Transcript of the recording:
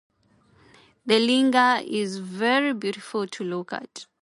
The linga is very beautiful to look at.